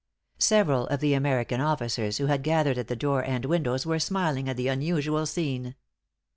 Several of the American officers, who had gathered at the door and window, were smiling at the unusual scene.